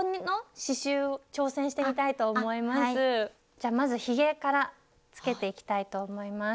じゃまずひげからつけていきたいと思います。